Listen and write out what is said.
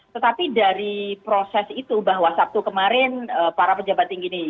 tetapi dari proses itu bahwa sabtu kemarin para pejabat tinggi ini